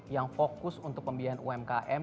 yang fokus untuk pembiayaan umkm